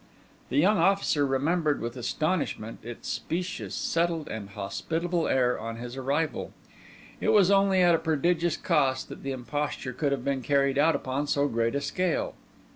The young officer remembered with astonishment its specious, settled, and hospitable air on his arrival. It was only at a prodigious cost that the imposture could have been carried out upon so great a scale.